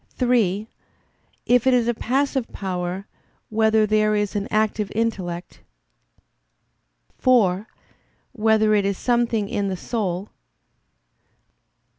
(3) If it is a passive power, whether there is an active intellect? (4) Whether it is something in the soul?